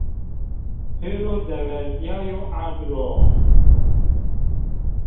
Pêro deverdîyayo erd ro